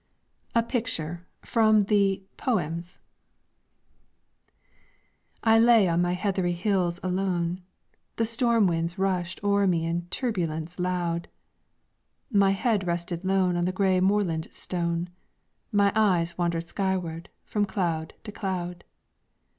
A PICTURE From the 'Poems' I lay on my heathery hills alone; The storm winds rushed o'er me in turbulence loud; My head rested lone on the gray moorland stone; My eyes wandered skyward from cloud unto cloud.